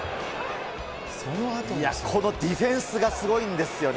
いや、このディフェンスがすごいんですよね。